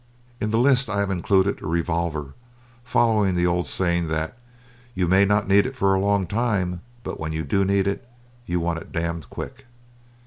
In the list I have included a revolver, following out the old saying that "You may not need it for a long time, but when you do need it, you want it damned quick."